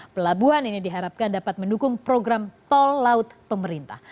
pelabuhan ini diharapkan dapat mendukung program tol laut pemerintah